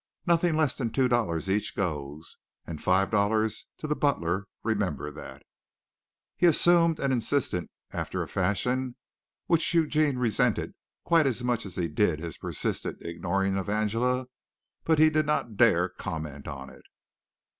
Nothing less than two dollars each goes, and five dollars to the butler, remember that." He assumed and insisted after a fashion which Eugene resented quite as much as he did his persistent ignoring of Angela, but he did not dare comment on it.